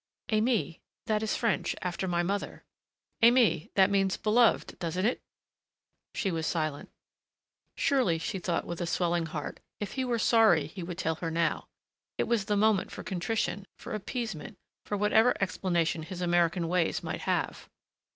"Aimée.... That is French after my mother." "Aimée. That means Beloved, doesn't it?" She was silent. Surely, she thought with a swelling heart, if he were sorry he would tell her now. It was the moment for contrition, for appeasement, for whatever explanation his American ways might have.